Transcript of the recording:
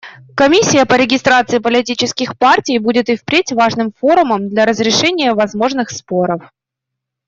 Комиссия по регистрации политических партий будет и впредь важным форумом для разрешения возможных споров.